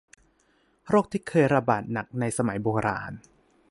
โรคที่เคยระบาดหนักในสมัยโบราณ